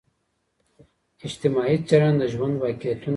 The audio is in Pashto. اجتماعي څېړنه د ژوند واقعتونه څیړي.